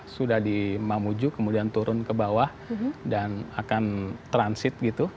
sudah di mamuju kemudian turun ke bawah dan akan transit gitu